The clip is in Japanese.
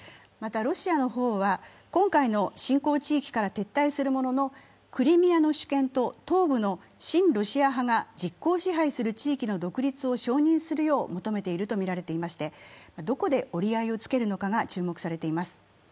また、ロシアの方は今回の侵攻地域から撤退するもののクリミアの主権と東部の親ロシア派が実効支配する地域の独立を承認するよう求めているとみられていましてどこで折り合いをつけるのかが注目されています。